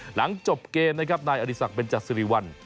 หลังจบเกมนะครับนายอริสักเป็นจักษ์ศิริวัล